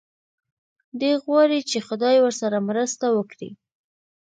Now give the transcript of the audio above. دی غواړي چې خدای ورسره مرسته وکړي.